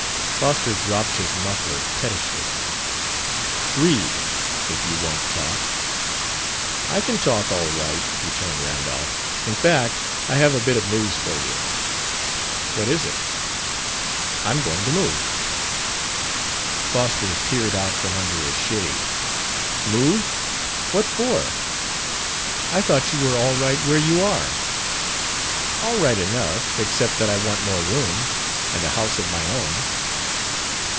Foster dropped his muffler pettishly. "Read, if you won't talk!" "I can talk all right," returned Randolph. "In fact, I have a bit of news for you." "What is it?" "I'm going to move." Foster peered out from under his shade. "Move? What for? I thought you were all right where you are. "All right enough; except that I want more room and a house of my own."